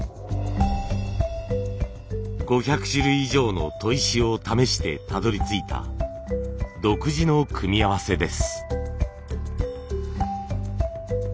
５００種類以上の砥石を試してたどりついた独自の組み合わせです。